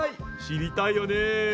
知りたいよね。